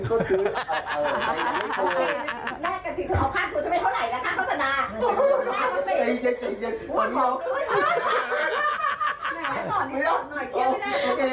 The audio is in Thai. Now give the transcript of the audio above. ในนั้นไม่มีฉันไม่เคยพวกมันใส่กระเป๋าตังอะไรเพราะเธออ่ะแย่งฉันเอาใส่ไว้กระเป๋ามาเกรงฉันเนี่ย